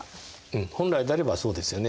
本来であればそうですよね。